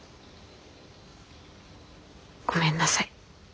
ごめんなさい。